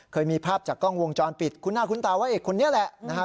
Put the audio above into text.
เคยมีภาพจากกล้องวงจรปิดคุ้นหน้าคุ้นตาว่าเอกคนนี้แหละนะฮะ